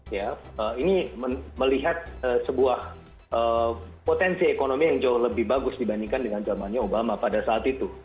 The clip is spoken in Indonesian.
ya ini melihat sebuah potensi ekonomi yang jauh lebih bagus dibandingkan dengan zamannya obama pada saat itu